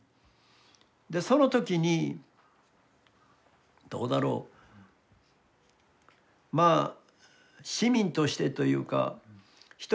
その時にどうだろうまあ市民としてというか一人のまあ